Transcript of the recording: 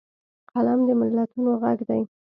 قلم د ملتونو غږ دی